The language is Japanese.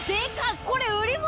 これ売り物？